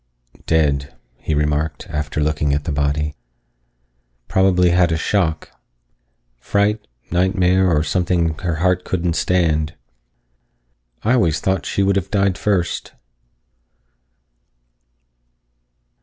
"Dead," he remarked, after looking at the body. "Probably had a shock. Fright, nightmare, or something her heart couldn't stand. I always thought she would have died first."